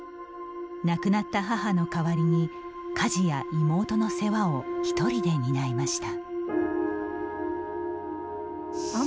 亡くなった母の代わりに家事や妹の世話を１人で担いました。